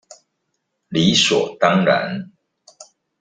理所當然